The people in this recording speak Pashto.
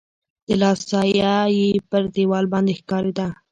د لاس سایه يې پر دیوال باندي ښکارېده.